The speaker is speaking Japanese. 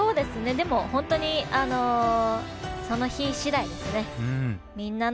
でも、本当にその日しだいですね。